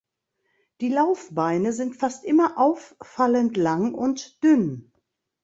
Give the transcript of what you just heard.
Die Laufbeine sind fast immer auffallend lang und dünn.